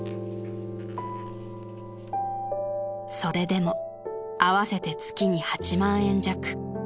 ［それでも合わせて月に８万円弱］